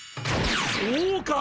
そうか！